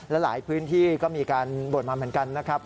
และหลายพื้นที่ก็มีการบ่นมาเหมือนกันนะครับ